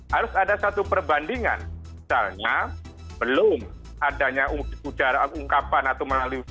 harus ada satu perbandingan misalnya belum adanya ungkapan atau melalui